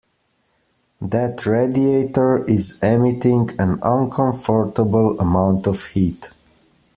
That radiator is emitting an uncomfortable amount of heat.